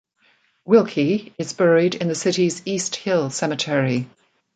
Willkie is buried in the city's East Hill Cemetery.